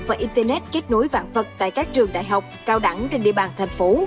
và internet kết nối vạn vật tại các trường đại học cao đẳng trên địa bàn thành phố